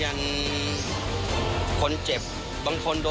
มันก็ยังอยากถามว่าทำไมต้องเป็นลูกของด้วย